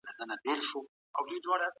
جریدو تر کلکسيونو برعلاوه په کتابتون کي خورا